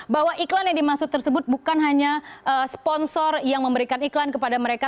bahwa iklan yang dimaksud tersebut bukan hanya sponsor yang memberikan iklan kepada mereka